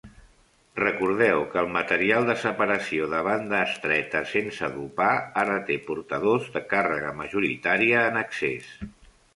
Recordeu que el material de separació de banda estreta sense dopar ara té portadors de càrrega majoritària en excés.